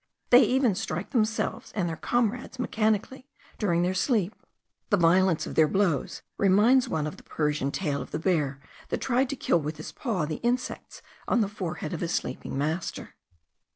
They even strike themselves and their comrades mechanically during their sleep. The violence of their blows reminds one of the Persian tale of the bear that tried to kill with his paw the insects on the forehead of his sleeping master.